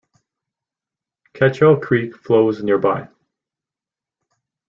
Getchell Creek flows nearby.